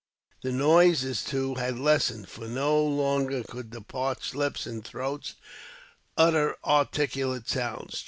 The noises, too, had lessened, for no longer could the parched lips and throats utter articulate sounds.